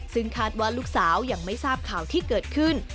ซึ่งคาดว่าลูกสาวยังไม่ทราบข่าวที่เกิดขึ้น